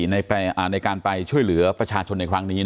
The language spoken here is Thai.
ในการไปช่วยเหลือประชาชนในครั้งนี้